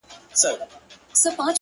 سترگي دي پټي كړه ويدېږمه زه ـ